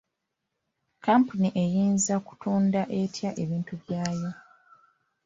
Kampuni eyinza kutunda etya ebintu byayo?